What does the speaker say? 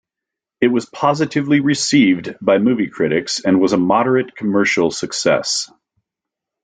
It was positively received by movie critics and was a moderate commercial success.